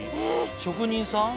職人さん？